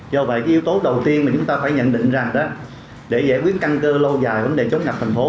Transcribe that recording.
do vậy cái yếu tố đầu tiên mà chúng ta phải nhận định rằng đó để giải quyết căng cơ lâu dài vấn đề chống ngập thành phố